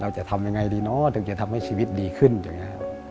เราจะทำยังไงดีนอถึงจะทำให้ชีวิตดีขึ้นจริงฮะ